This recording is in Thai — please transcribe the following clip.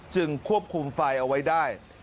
ควบคุมไฟเอาไว้ได้